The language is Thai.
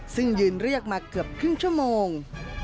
ซึ่งยืนเรียกมาเกือบครึ่งชั่วโมง